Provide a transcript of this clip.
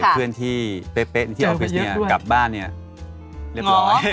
แฟนที่เป๊ะที่ออฟฟิศกลับบ้านเรียบร้อย